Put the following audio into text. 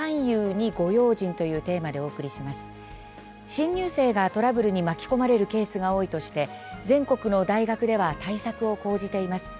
新入生がトラブルに巻き込まれるケースが多いとして全国の大学では対策を講じています。